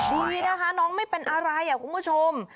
ดีนะคะน้องไม่เป็นอะไรคุณผู้ชม